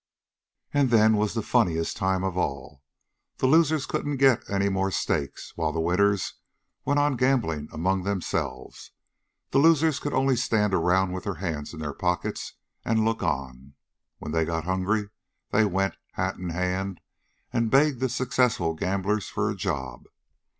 "And then was the funniest time of all. The losers couldn't get any more stakes, while the winners went on gambling among themselves. The losers could only stand around with their hands in their pockets and look on. When they got hungry, they went, hat in hand, and begged the successful gamblers for a job.